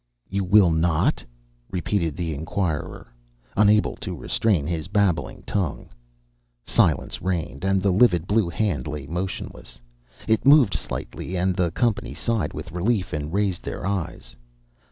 "You will not?" repeated the inquirer, unable to restrain his babbling tongue. Silence reigned, and the livid blue hand lay motionless. It moved slightly, and the company sighed with relief and raised their eyes.